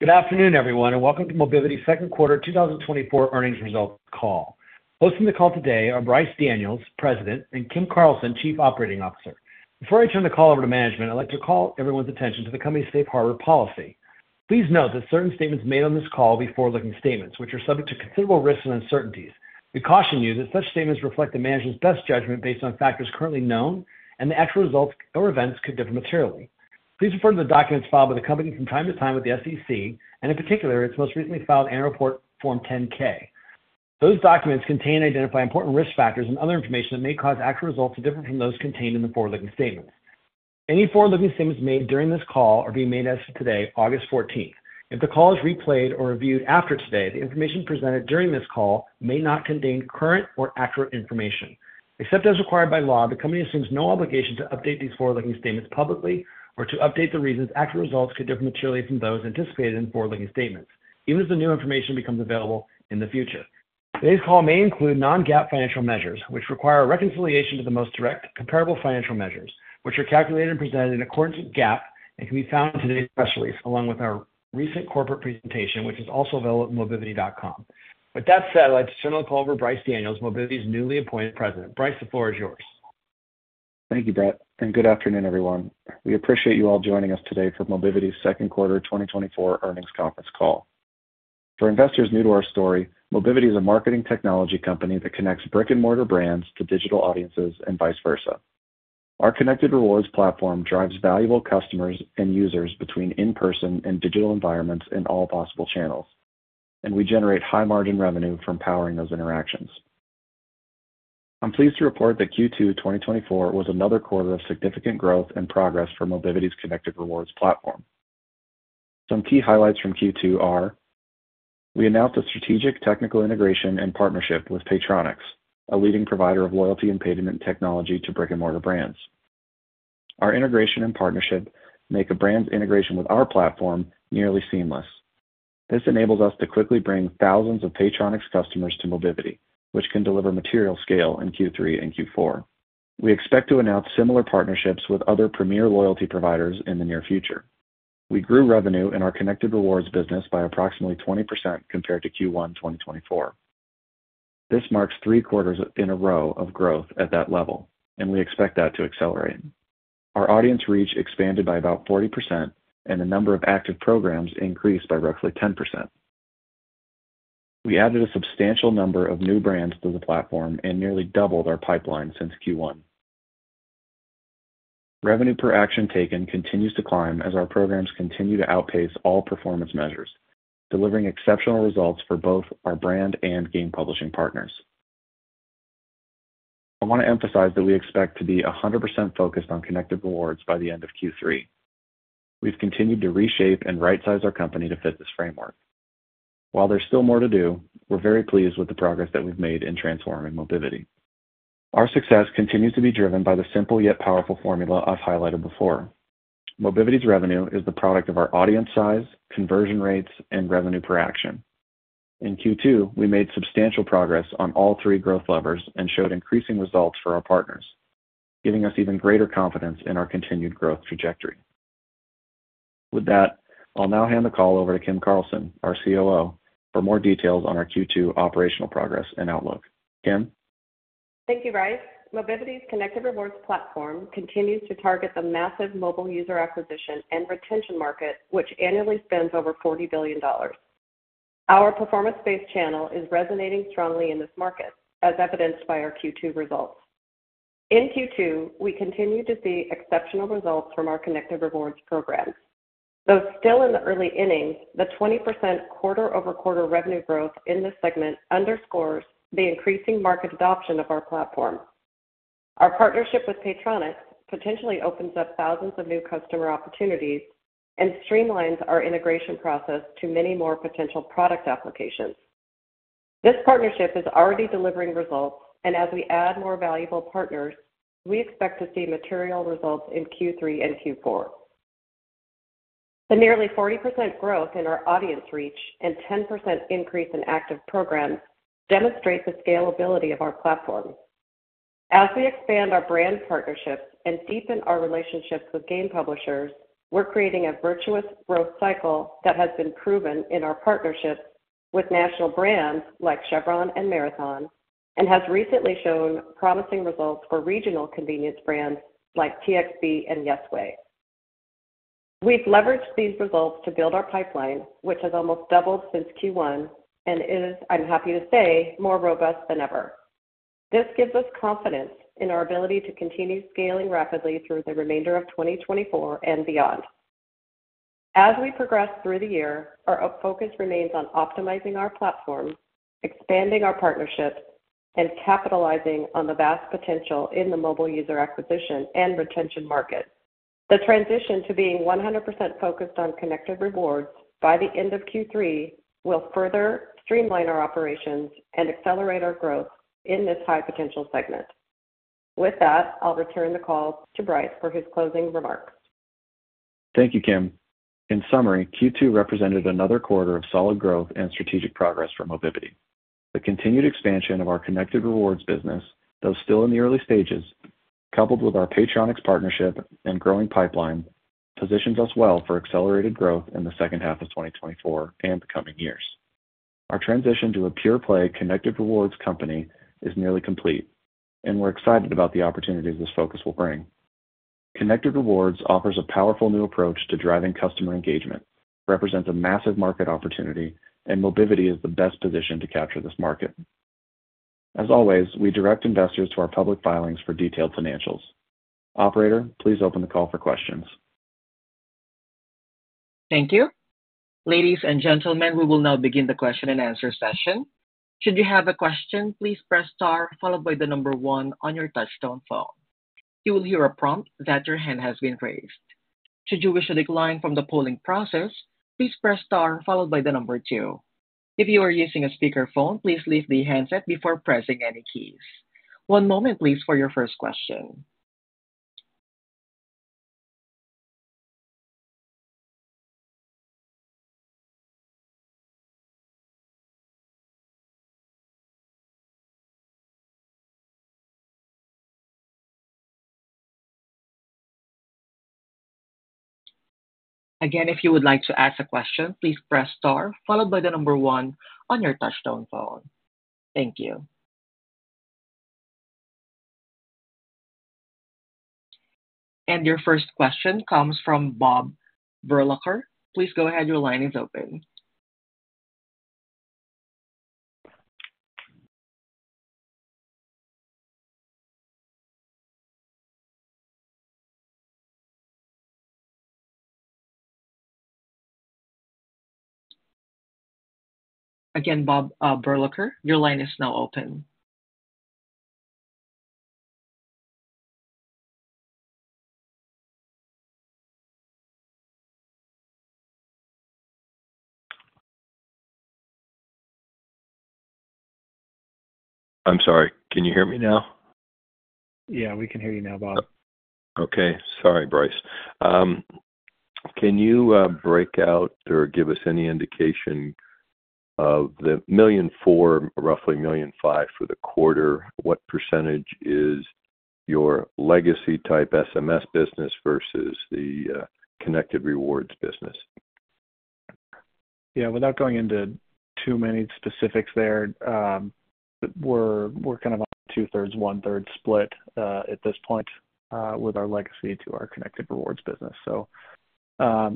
Good afternoon, everyone, and welcome to Mobivity's second quarter 2024 earnings results call. Hosting the call today are Bryce Daniels, President, and Kim Carlson, Chief Operating Officer. Before I turn the call over to management, I'd like to call everyone's attention to the company's safe harbor policy. Please note that certain statements made on this call will be forward-looking statements, which are subject to considerable risks and uncertainties. We caution you that such statements reflect the management's best judgment based on factors currently known, and the actual results or events could differ materially. Please refer to the documents filed by the company from time to time with the SEC, and in particular, its most recently filed annual report, Form 10-K. Those documents contain and identify important risk factors and other information that may cause actual results to differ from those contained in the forward-looking statements. Any forward-looking statements made during this call are being made as of today, August fourteenth. If the call is replayed or reviewed after today, the information presented during this call may not contain current or accurate information. Except as required by law, the company assumes no obligation to update these forward-looking statements publicly or to update the reasons actual results could differ materially from those anticipated in forward-looking statements, even as the new information becomes available in the future. Today's call may include non-GAAP financial measures, which require a reconciliation to the most direct, comparable financial measures, which are calculated and presented in accordance with GAAP and can be found in today's press release, along with our recent corporate presentation, which is also available at mobivity.com. With that said, I'd like to turn the call over to Bryce Daniels, Mobivity's newly appointed President. Bryce, the floor is yours. Thank you, Brett, and good afternoon, everyone. We appreciate you all joining us today for Mobivity's second quarter 2024 earnings conference call. For investors new to our story, Mobivity is a marketing technology company that connects brick-and-mortar brands to digital audiences and vice versa. Our Connected Rewards platform drives valuable customers and users between in-person and digital environments in all possible channels, and we generate high-margin revenue from powering those interactions. I'm pleased to report that Q2 2024 was another quarter of significant growth and progress for Mobivity's Connected Rewards platform. Some key highlights from Q2 are: We announced a strategic technical integration and partnership with Paytronix, a leading provider of loyalty and payment technology to brick-and-mortar brands. Our integration and partnership make a brand's integration with our platform nearly seamless. This enables us to quickly bring thousands of Paytronix customers to Mobivity, which can deliver material scale in Q3 and Q4. We expect to announce similar partnerships with other premier loyalty providers in the near future. We grew revenue in our Connected Rewards business by approximately 20% compared to Q1 2024. This marks 3 quarters in a row of growth at that level, and we expect that to accelerate. Our audience reach expanded by about 40%, and the number of active programs increased by roughly 10%. We added a substantial number of new brands to the platform and nearly doubled our pipeline since Q1. Revenue per action taken continues to climb as our programs continue to outpace all performance measures, delivering exceptional results for both our brand and game publishing partners. I want to emphasize that we expect to be 100% focused on Connected Rewards by the end of Q3. We've continued to reshape and rightsize our company to fit this framework. While there's still more to do, we're very pleased with the progress that we've made in transforming Mobivity. Our success continues to be driven by the simple yet powerful formula I've highlighted before. Mobivity's revenue is the product of our audience size, conversion rates, and revenue per action. In Q2, we made substantial progress on all three growth levers and showed increasing results for our partners, giving us even greater confidence in our continued growth trajectory. With that, I'll now hand the call over to Kim Carlson, our COO, for more details on our Q2 operational progress and outlook. Kim? Thank you, Bryce. Mobivity's Connected Rewards platform continues to target the massive mobile user acquisition and retention market, which annually spends over $40 billion. Our performance-based channel is resonating strongly in this market, as evidenced by our Q2 results. In Q2, we continued to see exceptional results from our Connected Rewards program. Though still in the early innings, the 20% quarter-over-quarter revenue growth in this segment underscores the increasing market adoption of our platform. Our partnership with Paytronix potentially opens up thousands of new customer opportunities and streamlines our integration process to many more potential product applications. This partnership is already delivering results, and as we add more valuable partners, we expect to see material results in Q3 and Q4. The nearly 40% growth in our audience reach and 10% increase in active programs demonstrates the scalability of our platform. As we expand our brand partnerships and deepen our relationships with game publishers, we're creating a virtuous growth cycle that has been proven in our partnerships with national brands like Chevron and Marathon, and has recently shown promising results for regional convenience brands like TXB and Yesway. We've leveraged these results to build our pipeline, which has almost doubled since Q1 and is, I'm happy to say, more robust than ever. This gives us confidence in our ability to continue scaling rapidly through the remainder of 2024 and beyond. As we progress through the year, our focus remains on optimizing our platform, expanding our partnerships, and capitalizing on the vast potential in the mobile user acquisition and retention market. The transition to being 100% focused on connected rewards by the end of Q3 will further streamline our operations and accelerate our growth in this high-potential segment. With that, I'll return the call to Bryce for his closing remarks. Thank you, Kim. In summary, Q2 represented another quarter of solid growth and strategic progress for Mobivity. The continued expansion of our Connected Rewards business, though still in the early stages, coupled with our Paytronix partnership and growing pipeline, positions us well for accelerated growth in the second half of 2024 and the coming years. Our transition to a pure play Connected Rewards company is nearly complete, and we're excited about the opportunities this focus will bring. Connected Rewards offers a powerful new approach to driving customer engagement, represents a massive market opportunity, and Mobivity is the best position to capture this market. As always, we direct investors to our public filings for detailed financials. Operator, please open the call for questions. Thank you. Ladies and gentlemen, we will now begin the question and answer session. Should you have a question, please press star followed by the number one on your touchtone phone. You will hear a prompt that your hand has been raised. Should you wish to decline from the polling process, please press star followed by the number two. If you are using a speakerphone, please leave the handset before pressing any keys. One moment, please, for your first question. Again, if you would like to ask a question, please press star followed by the number one on your touchtone phone. Thank you. Your first question comes from Bob Berlacher. Please go ahead. Your line is open. Again, Bob Berlacher, your line is now open. I'm sorry. Can you hear me now? Yeah, we can hear you now, Bob. Okay. Sorry, Bryce. Can you break out or give us any indication of the $1.4 million, roughly $1.5 million for the quarter, what percentage is your legacy type SMS business versus the Connected Rewards business? Yeah, without going into too many specifics there, we're kind of on a 2/3, 1/3 split at this point with our legacy to our Connected Rewards business. So,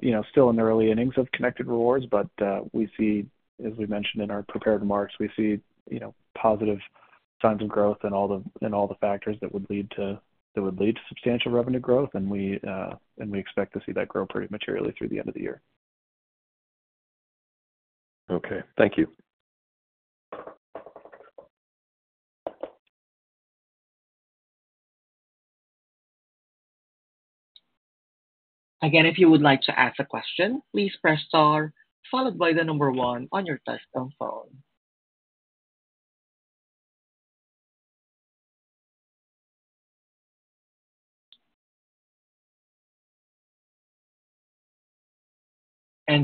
you know, still in the early innings of Connected Rewards, but we see, as we mentioned in our prepared remarks, you know, positive signs of growth and all the factors that would lead to substantial revenue growth. And we expect to see that grow pretty materially through the end of the year. Okay, thank you. Again, if you would like to ask a question, please press star followed by the number one on your touchtone phone.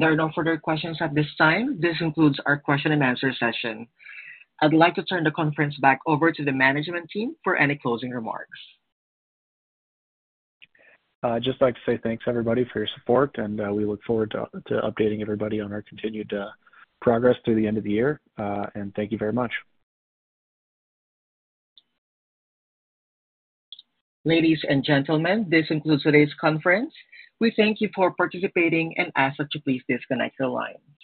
There are no further questions at this time. This concludes our question and answer session. I'd like to turn the conference back over to the management team for any closing remarks. I'd just like to say thanks, everybody, for your support and we look forward to updating everybody on our continued progress through the end of the year. And thank you very much. Ladies and gentlemen, this concludes today's conference. We thank you for participating and ask that you please disconnect the line.